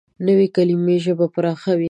نوې کلیمه ژبه پراخوي